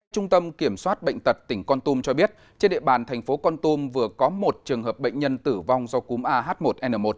trung tâm kiểm soát bệnh tật tỉnh con tum cho biết trên địa bàn thành phố con tum vừa có một trường hợp bệnh nhân tử vong do cúm ah một n một